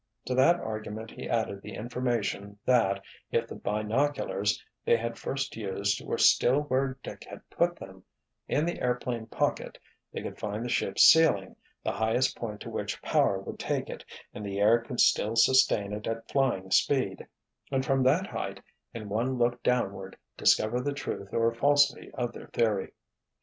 To that argument he added the information that if the binoculars they had first used were still where Dick had put them, in the airplane pocket, they could find the ship's "ceiling"—the highest point to which power would take it and the air could still sustain it at flying speed—and from that height, in one look downward discover the truth or falsity of their theory.